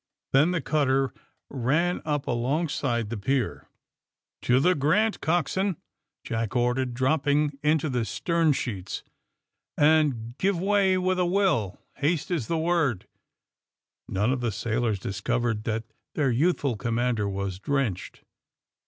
Then the cutter ran up along side the pier. *^To the * Grant,' coxswain," Jack ordered, 70 THE SUBMAEINE BOYS dropping into the sternsheets. *^And give way with a will. Haste is the word. '' None of the sailors discovered that their yonthful commander was drenched.